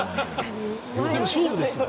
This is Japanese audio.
でも、勝負ですよ。